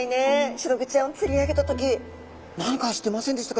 シログチちゃんを釣り上げた時何かしてませんでしたか？